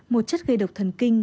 một chất gây độc thần kinh